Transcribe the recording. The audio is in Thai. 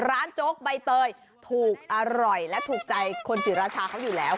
โจ๊กใบเตยถูกอร่อยและถูกใจคนศรีราชาเขาอยู่แล้ว